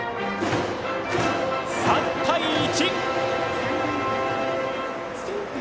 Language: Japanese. ３対１。